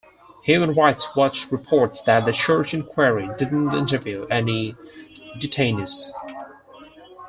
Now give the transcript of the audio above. Human Rights Watch reports that the Church inquiry didn't interview any detainees.